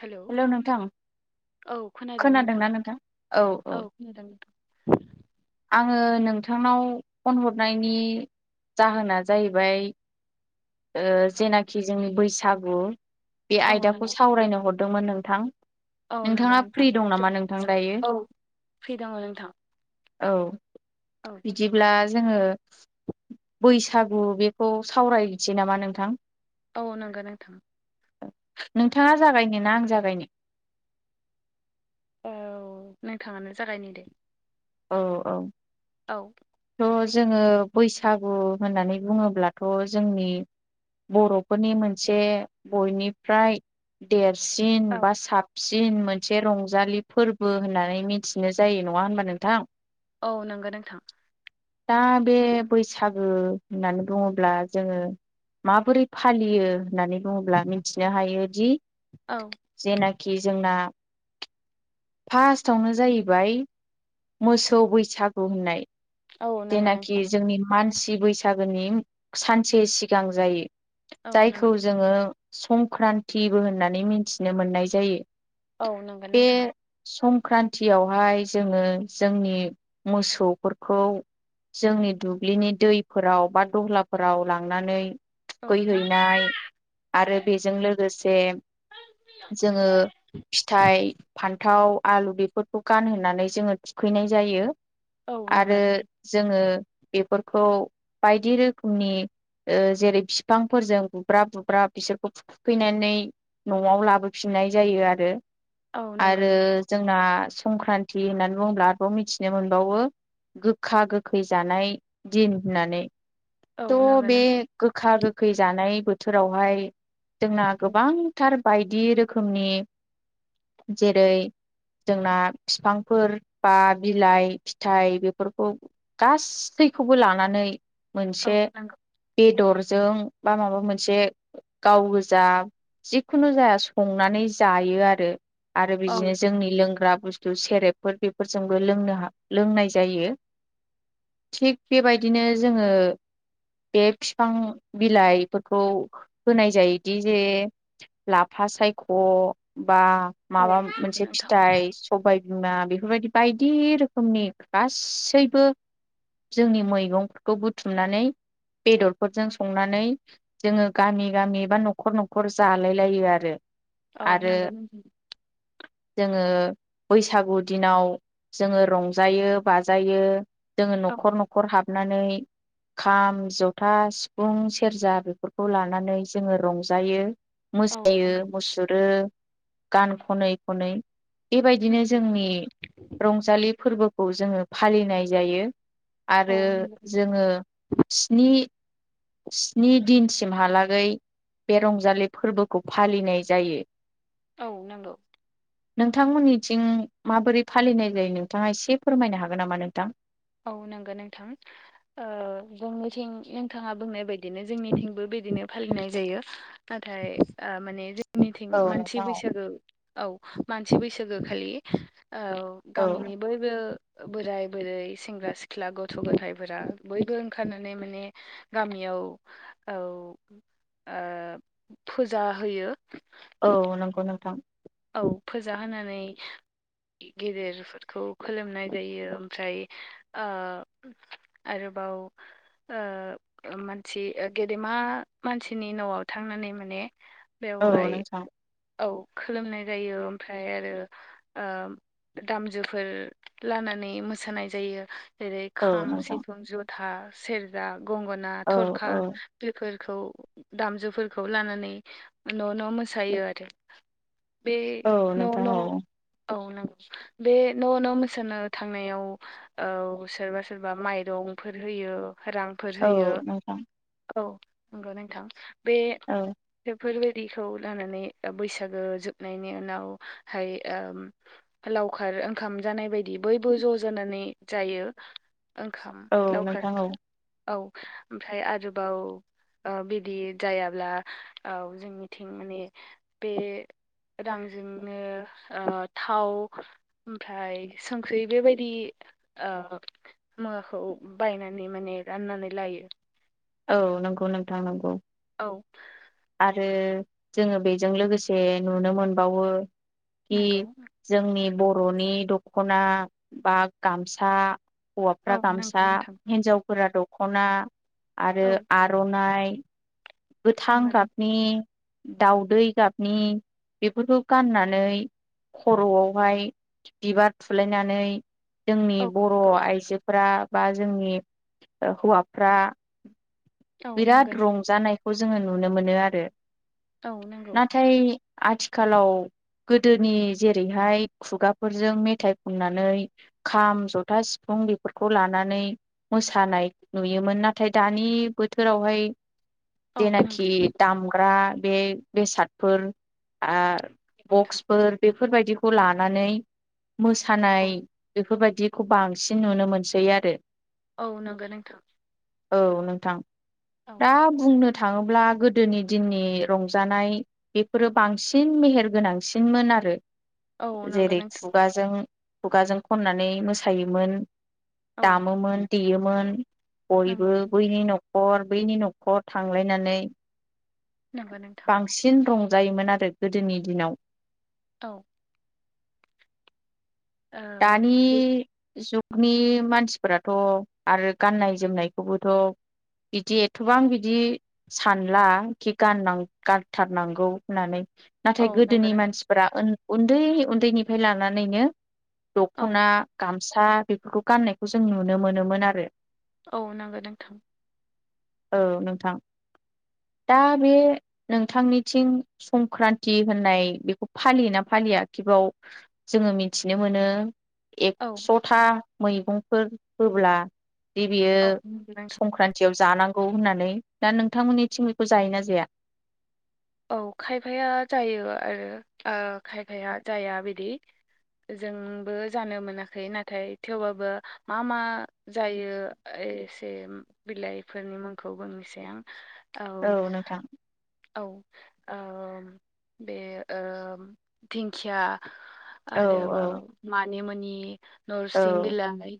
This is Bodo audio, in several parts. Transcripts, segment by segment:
हेलौ हेल' नोंथां औ खोनादों नोंथां औ खोनादों नोंथां आङो नोंथांनाव फन हरनायनि जाहोना जाहैबाय ओ जेनाखि जों बैसागु बे औ आयदाखौ नंगौ नोंथां। सावरायनो हरदोंमोन नोंथां औ नंगौ नोंथाङा नोंथां फ्रि दं नामा जोबोद नोंथां मोजां दायो औ फ्रि दङ नोंथां औ औ बिदिब्ला जोङो बैसागु बेखौ सावरायनसै नामा नोंथां औ नंगो नोंथां नोंथाङा जागायनो ना आं जागायनो औ नोंथाङानो जागायनो दे औ औ औ थ' जोङो बैसागु होननानै बुङोब्लाथ' जोंनि बर'फोरनि मोनसे बयनिफ्राय देरसिन औ बा साब सिन मोनसे रंजालि फोरबो होननानै मिथिनो जायो नङा होनबा नोंथां औ नंगो नोंथां दा बे बैसागो होननानै बुङोब्ला जोङो माबोरै फालियो होननानै बुङोब्ला मिथिनो हायोदि औ जेना खि जोंना फास्तावनो जाहैबाय मोसौ बैसागु होननाय औ नंगौ जेनाखि नोंथां जोंनि मान सि बैसागोनि सानसे सिगां जायो औ जायखौ नंगौ जोङो संक्रान्तिबो होननानै मिथिनो मोननाय जायो औ नंगो नोंथां ख्रान्तियावहाय जोङो जोंनि मोसौफोरखौ जोंनि दुब्लिनि दैफोराव बा दहलाफोराव लांनानै औ नंगौ थुखैहैनाय आरो बेजों लोगोसे जोङो फिथाइ फान्थाव आलु बेफोरखौ गानहोनानै जोङो थुखैनाय जायो औ नंगौ आरो नोंथां जोङो बेफोरखौ बायदि रोखोमनि ओ जेरै फिफांफोरजों बुब्राब बुब्राब बिसोरखौ थुखैनानै नआव लाबोफिननाय जायो आरो औ नंगौ आरो नोंथां जोंना संक्रान्ति होननानै बुङोब्ला खौ मिथिनो मोनबावो गोखा गोखै जानाय दिन होननानै औ त' नंगौ बे नोंथां गोखा गोखै जानाय बोथोरावहाय जोंना गोबांथार बायदि रोखोमनि जेरै जोंना फिफांफोर बा बिलाइ फिथाइ बेफोरखौ गासैखौबो लानानै औ मोनसे नंगौ बेदरजों बा माबा मोनसे गाव गोजा जिखुनु जाया संनानै जायो आरो आरो औ बिदिनो जोंनि लोंग्रा बुस्थु सेरेबफोर बे फोरजोंबो लोंनो हा लोंनाय जायो थिग बेबायदिनो जोङो बे फिफां बिलाइफोरखौ होनाय जायोदि जे लाफा फा सायख' बा औ माबा नंगौ मोनसे नोंथां फिथाइ सबायबिमा बेफोरबायदि बायदि रोखोमनि गासैबो जोंनि मैगंफोरखौ बुथुमनानै बेदरफोरजों संनानै जोङो गामि गामि बा न'खर न'खर जालाय लायो आरो औ आरो नोंगौ नोंथां जोङो बैसागु दिनाव जोङो रंजायो बाजायो जोङो न'खर न'खर हाबनानै खाम ज'था सिफुं सेरजा बेफोरखौ लानानै जोङो रंजायो औ मोसायो नंगौ मुसुरो गान खनै खनै बेबायदिनो जोंनि रंजालि फोरबोखौ जोङो फालिनाय जायो औ आरो नंगौ जोङो स्नि स्नि दिनसिमहालागै बे रंजालि फोरबोखौ फालिनाय जायो औ नोंगौ नोंथांमोननिथिं माबोरै फालिनाय जायो नोंथाङा एसे फोरमायनो हागोन नामा नोंथां? औ नोंगो नोंथां ओ जोंनिथिं नोंथाङा बुंनाय बायदिनो जोंनिथिंबो बे बिदिनो फालिनाय जायो नाथाय ओ माने जोंनिथिं औ मानसि नोंथां औ। बैसागो औ मानसि बैसागो खालि औ औ गामिनि बयबो बोराय बोरै सेंग्रा सिख्ला गथ' गोथायफोरा बयबो ओंखारनानै माने गामियाव औ [inaudible] ओ फुजा होयो। औ नंगौ नोंथां। औ फोजा होनानै गेदेरफोरखौ खुलोमनाय जायो ओमफ्राय आ आरो बाव ओ मानसि गेदेमा मानसिनि नआव थांनानै माने औ नोंथां औ औ खो खुलुमनाय जायो ओमफ्राय आरो ओ दामजोफोर लानानै मोसायो नाय जायो। जेरै औ खाम नोंथां सिफुं जथा सेरजा गंगोना औ थरखा औ बेफोर खौ दामजुफोरखौ लानानै न न मोसायो आरो। बे औ न नोंथां न औ औ नगौ बे न' न' मोसानो थांनायाव औ सोरबा सोरबा माइरं फोर होयो। रांफोर औ होयो नोंथां औ नंगौ नोंथां बे औ बेफोरबायदि इखौ लानानै ओ बैसागो जोबनायनि उनावहाय ओ लावखार ओंखाम जानाय बायदि बयबो ज जानानै नानै जायो ओंखाम औ लावखार नोंथां औ औ ओमफ्राय आरोबाव ओ बिदि जायाब्ला औ जोंनिथिं माने बे रांजोंनो ओ थाव ओमफ्राय संख्रि बेबायदि ओ मुवाखौ बायनानै माने राननानै लायो। औ नंगौ नोंथां नंगौ औ आरो जोङो बेजों लोगोसे नुनो मोनबावो खि नंगौ जोंनि बर बरनि दखना बा गामसा औ हौवाफ्रा नंगौ गामसा नोंथां हिनजाव फोरा दखना आरो औ आरनाइ गोथां नांगौ नों गाबनि दाउदै गाबनि बेफोरखौ गाननानै खरआवहाय बिबार थुलायनानै जोंनि औ बर नंगौ आइजोफोरा बा जोंनि हौवाफ्रा औ नांगौ बिराद नों रंजानायखौ जोङो नुनो मोनो आरो औ नांगौ नाथाय आथिखालाव गोदोनि जेरैहाय खुगाफोरजों मेथाइ खननानै खाम जथा सिफुं फुं बेफोरखौ लानानै मोसानायखौ नुयोमोन दानि बोथो थोरावहाय औ जेनाखि नांगौ दामग्रा बे बेसादफोर नोंथां बक्सफोर बे बेफोरबायदिखौ लानानै औ मोसानाय बेफोरबायदि बिदिखौ बांसिन नुनो मोनसै आरो। औ नंगौ नोंथां। औ नोंथां औ दा बुंनो बुंनो थाङोब्ला गोदोनि दिननि रंजानाय बेफोरो बांसिन मेहेर गोनांसिनमोन आरो। औ नंगौ जेरै नोंथां खुगाजों खुगाजों खननानै मोसायोमोन। औ दामोमोन देयोमोन बयबो नंगौ बैनि न'खर न'खर बैनि न'खर थांलायनानै नंगौ नोंथां बांसिन रंजायोमोन आरो गोदोनि दिनाव। औ। दानि जुग नि मानसिफोराथ' आरो गाननाय जोमनायखौबोथ' बिदि एथ'बां बिदि सानला खि गान गानथारनांगौ होननानै। औ नाथाय नंगौ गोदोनि नोंथां मानसिफोरा उन्दै उन्दैनिफ्राय लानानैनो औ दख'ना गामसा बेफोरखौ गाननायखौ जों नुनो मोनोमोन आरो। औ नंगौ नोंथां। औ नोंथां दा बे नोंथांनिथिं संक्रान्ति होननाय बेखौ फालियोना फालि या खि बाव जों मिथि नो मोनो औ एकस'था मैगंफोर होब्ला जे बियो औ नंगौ नोंथां संक्रान थियाव जानांगौ होननानै दा नोंथांमोननिथिं बेखौ जायोना जाया? औ खायफाया जायो आरो ओ खायफाया जाया बिदि। जोंबो जानो मोनाखै नाथाय थेवबाबो मा मा जायो एसे बिलाइफोरनि मुंखौ बुंंनैसै आं। औ औ ओ बे ओम दिंखिया औ आरो औ बाव मानि मुनि औ नरसिं बिलाइ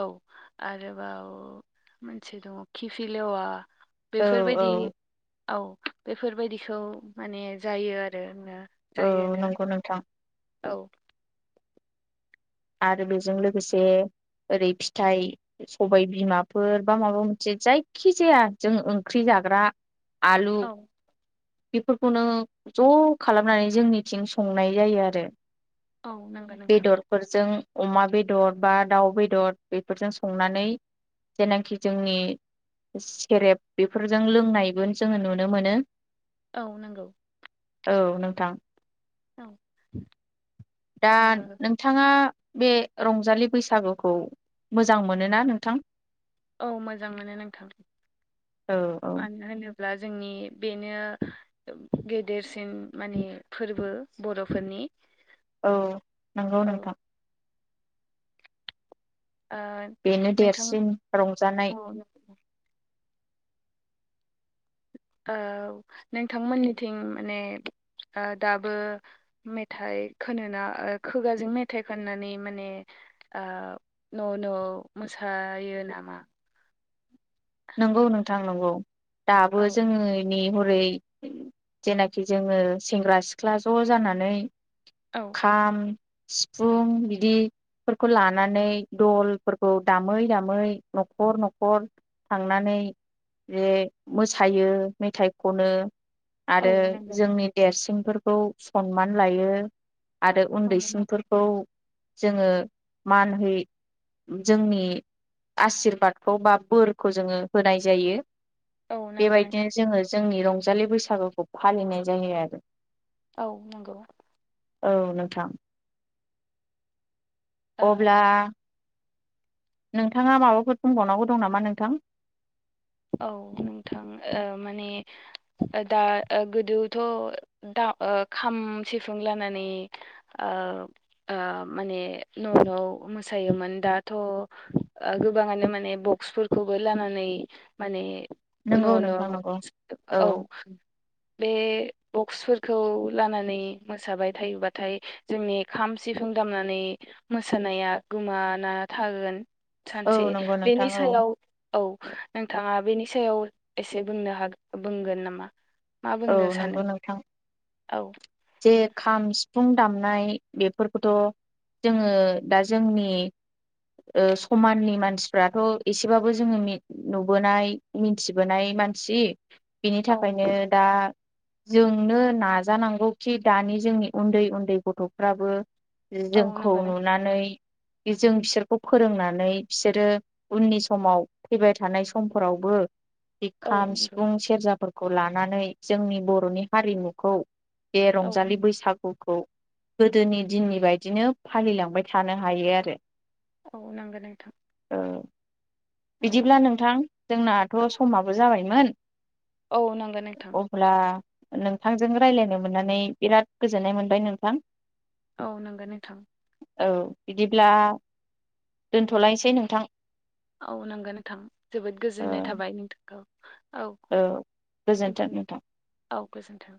औ आरोबाव मोनसे दङ किफिलेवा औ औ बेफोरबायदि औ बेफोरबायदिखौ माने जायो आरो। औ नंगौ नोंथां औ आरो बेजों लोगोसे ओरै फिथाइ सबाय बिमाफोर बा माबा मोनसे जायखि जाया जों ओंख्रि जा ग्रा आलु औ बेफोरखौनो ज' खालामनानै जोंनिथिं संनाय जायो आरो। औ नंगौ नोंथां जों अमा बेदर बा दाउ बेदर बेफोरजों संनानै जेनाखि जोंनि सेरेप बेफोरजों लोंनायबो जोङो नुनो मोनो। औ नंगौ औ नोंथां औ दा नोंथाङा बे रंजालि बैसागुखौ मोजां मोनोना नोंथां? औ मोजां मोनो नोंथां औ औ मानो होनो ब्ला जोंनि बेनो गेदेरसिन माने फोरबो बर'फोरनि। औ नंगौ औ नोंथां। ओ बेनो नोंथां अ देरसिन रंजानाय नों औ नोंथांमोन निथिं माने ओ दाबो मेथाइ खोनोना ओ खोगाजों मेथाइ खन्नानै माने आ न' न' मोसायो नामा? नंगौ नोंथां नंगौ दाबो औ जोंनि हरै जेनाखि जोङो सेंग्रा सिख्ला ज' जानानै औ खाम सिफुं बिदि फोरखौ लानानै दलफोरखौ दामै दामै न'खर न'खर थांनानै जे मोसायो मेथाइ खनो औ आरो नंगौ जोंनि देरसिनफोरखौ सन्मान लायो। आरो औ नंगौ उन्दैसिनफोरखौ जोङो मानहै जोंनि आसिरबादखौ बा बोर खौ जोङो होनाय जायो औ नंगौ बेबायदिनो नोंथां जोङो जोंनि रं जालि बैसागुखौ फालिनाय जायो आरो। औ नंगौ औ नोंथां ओ अब्ला नोंथाङा माबाफोर बुंबावनांगौ दं नामा नोंथां औ नोंथां ओ माने ओ दा ओ गोदोथ ओ खाम सिफुं लानानै ओ ओ माने न' न' मोसायोमोन दाथ' गोबाङानो माने बक्सफोरखौबो लानानै माने न' नंगौ नोंथां न' नंगौ औ बे बक्सफोरखौ लानानै मोसाबाय थायोबाथाय जोंनि खाम सिफुं दामनानै मोसानाया गोमाना थागोन औ सानसे नंगौ नोंथां बेनि औ सायाव औ नोंथाङा बेनि सायाव एसे बुंनो हागोन बुंगोन नामा मा औ बुंनो सानो नंगौ नोंथां औ जे खाम सिफुं दामनाय बेफोरखौथ' जोङो दा जोंनि ओ समाननि मानसिफ्राथ' एसेबाबो जोङो नुबोनाय मिथिबोनाय मानसि बिनि औ थाखायनो दा जोंनो नाजानांगौखि दानि जोंनि उन्दै उन्दै गथ'फ्राबो औ जोंखौ नंगौ नोंथां नुनानै जों बिसोरखौ फोरोंनानै बिसोरो उननि समाव फैबाय थानाय समफोरावबो बि औ खाम नंगौ सिफुं सेरजाफोरखौ लानानै जोंनि बर'नि हारिमुखौ बे औ रंजालि बैसागुखौ गोदोनि दिननि बायदिनो फालिलांबाय थानो हायो आरो औ नोंगौ नोंथां औ औ बिदिब्ला नोंथां जोंनाथ' समाबो जाबायमोन औ नोंगौ नोंथां अब्ला नोंथांजों रायज्लायनो मोननानै बिराद गोजोननाय मोनबाय नोंथां औ नंगो नोंथां औ बिदिब्ला दोनथ'लायसै नोंथां औ नोंगो नोंथां जोबोद औ गोजोननाय थाबाय नोंथांखौ औ गोजोन्थों दोनथ'नो नोंथां औ गोजोन्थों